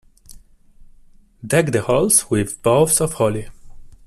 Deck the halls with boughs of holly.